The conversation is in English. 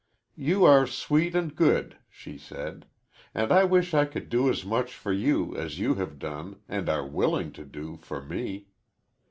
"You are sweet and good," she said, "and I wish I could do as much for you as you have done, and are willing to do for me.